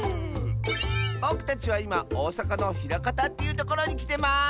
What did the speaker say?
ぼくたちはいまおおさかのひらかたっていうところにきてます！